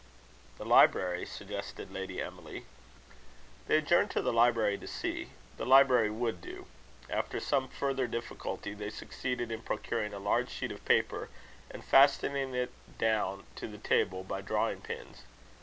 "The library?" suggested Lady Emily. They adjourned to the library to see. The library would do. After some further difficulty, they succeeded in procuring a large sheet of paper and fastening it down to the table by drawing pins.